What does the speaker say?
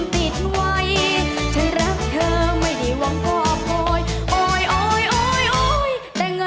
สวัสดีค่ะ